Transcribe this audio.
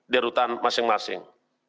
dan memperkenalkan masing masing